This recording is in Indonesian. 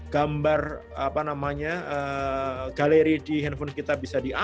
gambar apa namanya galeri di handphone kita bisa dia